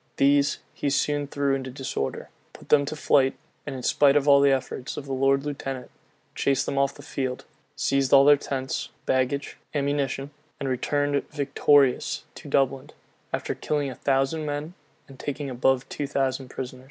These he soon threw into disorder; put them to flight, in spite of all the efforts of the lord lieutenant; chased them off the field; seized all their tents, baggage, ammunition; and returned victorious to Dublin, after killing a thousand men, and taking above two thousand prisoners.